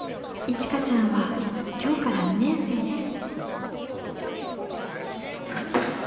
いちかちゃんは今日から２年生です。